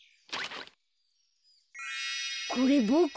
これボク？